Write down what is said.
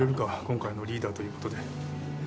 今回のリーダーという事で。